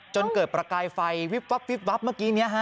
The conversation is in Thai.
จนเกิดประกายไฟวิบวับวิบวับเมื่อกี้นี้ฮะ